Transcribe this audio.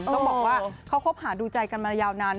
ต้องบอกว่าเขาคบหาดูใจกันมายาวนาน